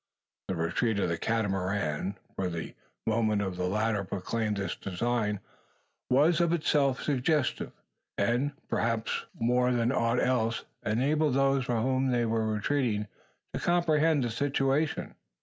The retreat of the Catamarans for the movements of the latter proclaimed this design was of itself suggestive; and, perhaps, more than aught else, enabled those from whom they were retreating to comprehend the situation.